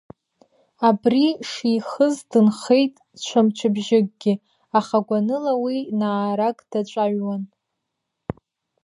Абри шихыз дынхеит ҽа мчыбжьыкгьы, аха гәаныла уи наарак даҿаҩуан.